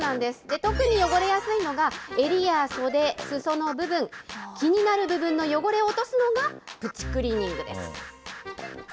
特に汚れやすいのが、襟や袖、すその部分、気になる部分の汚れを落とすのが、プチクリーニングです。